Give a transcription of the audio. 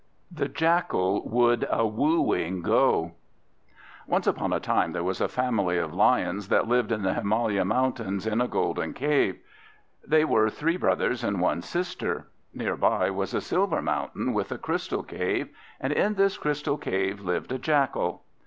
THE JACKAL WOULD A WOOING GO Once upon a time there was a family of Lions that lived in the Himalaya Mountains in a Golden Cave. They were three brothers and one sister. Near by was a silver mountain with a Crystal Cave, and in this Crystal Cave lived a Jackal.